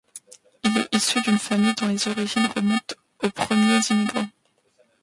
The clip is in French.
Il est issu d'une famille dont les origines remontent aux premiers immigrants.